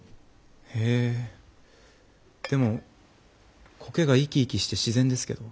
へえでも苔が生き生きして自然ですけど。